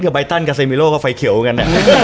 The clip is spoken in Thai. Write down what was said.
เด้อเกิดใบตั้นกับแก้เซมิโรก็ไฟเขียวเว้อกัน